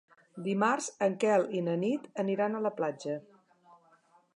Dimarts en Quel i na Nit aniran a la platja.